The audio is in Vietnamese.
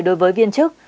đối với viên chức